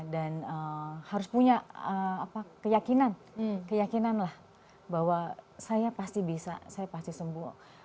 dan harus punya keyakinan keyakinan lah bahwa saya pasti bisa saya pasti sembuh